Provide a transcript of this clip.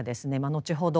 後ほど